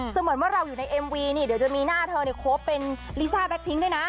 เหมือนว่าเราอยู่ในเอ็มวีนี่เดี๋ยวจะมีหน้าเธอเนี่ยครบเป็นลิซ่าแก๊พิ้งด้วยนะ